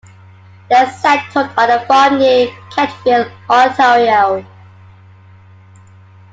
They settled on a farm near Kemptville, Ontario.